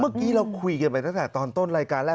เมื่อกี้เราคุยกันไปตั้งแต่ตอนต้นรายการแรก